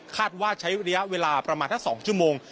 ว่าใช้ระยะเวลาประมาณสัก๒ชั่วโมง